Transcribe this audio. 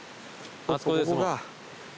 あそこです。